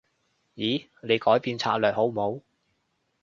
咦？你改變策略好冇？